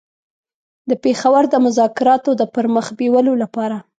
د پېښور د مذاکراتو د پر مخ بېولو لپاره.